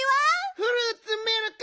フルーツミルク！